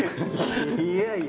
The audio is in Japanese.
いやいや！